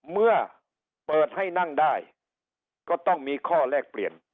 เมื่อเปิดให้นั่งได้ก็ต้องมีข้อแลกเปลี่ยน